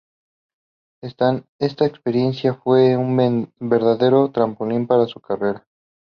Esta experiencia fue un verdadero trampolín para su carrera.